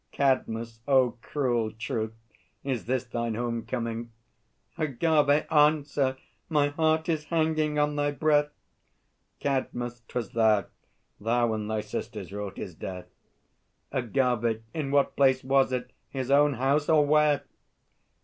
CADMUS. O cruel Truth, is this thine home coming? AGAVE. Answer! My heart is hanging on thy breath! CADMUS. 'Twas thou. Thou and thy sisters wrought his death. AGAVE. In what place was it? His own house, or where?